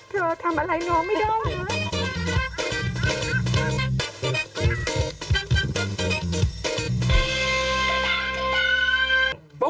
เธอทำอะไรน้องไม่ได้